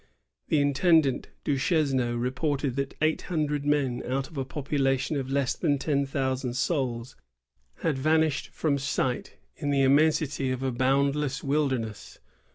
The intend ant Duchesneau reported that eight hundred men out of a population of less than ten thousand souls had vanished from sight in the immensity of a bound less wilderness.